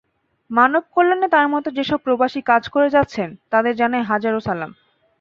মানবকল্যাণে তাঁর মতো যেসব প্রবাসী কাজ করে যাচ্ছেন, তাঁদের জানাই হাজারো সালাম।